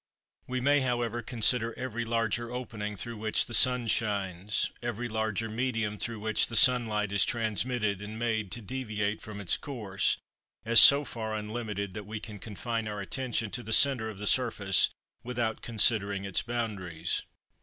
We may, however, consider every larger opening through which the sun shines, every larger medium through which the sun light is transmitted and made to deviate from its course, as so far unlimited that we can confine our attention to the centre of the surface without considering its boundaries.